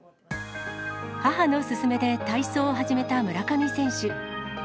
母の勧めで体操を始めた村上選手。